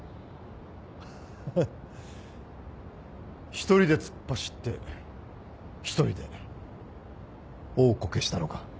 一人で突っ走って一人で大コケしたのか。